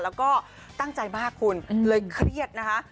แล้วก็ตั้งใจมากคุณเลยเครียดนะคะ